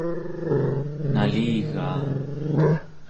naligaa